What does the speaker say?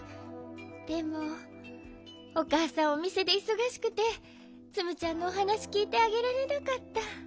でもおかあさんおみせでいそがしくてツムちゃんのおはなしきいてあげられなかった。